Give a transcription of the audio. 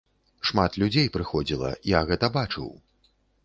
Шмат людзей прыходзіла, я гэта бачыў.